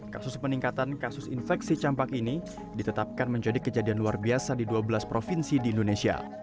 kasus peningkatan kasus infeksi campak ini ditetapkan menjadi kejadian luar biasa di dua belas provinsi di indonesia